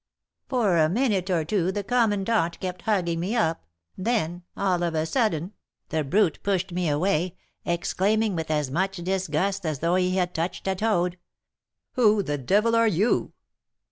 For a minute or two the commandant kept hugging me up, then, all of a sudden, the brute pushed me away, exclaiming with as much disgust as though he had touched a toad, 'Who the devil are you?'